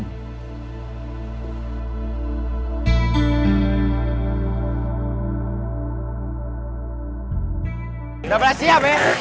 udah berhasil ya